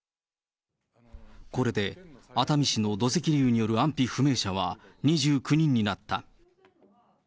これで熱海市の土石流による安否不明者は、２９人になった。